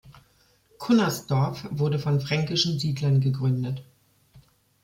Cunnersdorf wurde von fränkischen Siedlern gegründet.